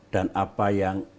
dan apa yang